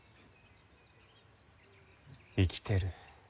生きてる。